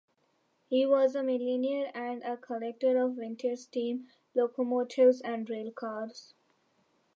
He was a millionaire and a collector of vintage steam locomotives and rail cars.